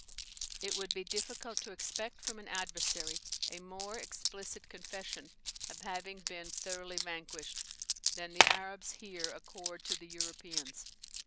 It would be difficult to expect from an adversary a more explicit confession of having been thoroughly vanquished, than the Arabs here accord to the Europeans.